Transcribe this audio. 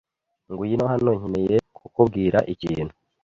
Ngwino hano. Nkeneye kukubwira ikintu.